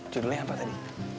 judulnya apa tadi